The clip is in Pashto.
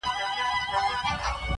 یا دي کډه له خپل کوره بارومه,